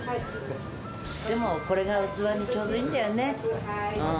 でも、これが器にちょうどいいんだよね。